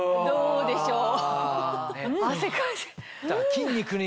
どうでしょう？